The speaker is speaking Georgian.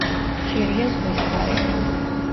ხშირია ზღვის ქარები.